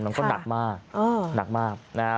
มันก็หนักมากหนักมากนะฮะ